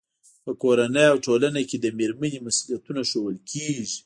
په کورنۍ او ټولنه کې د مېرمنې مسؤلیتونه ښوول کېږي.